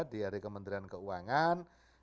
dari kementerian keuangan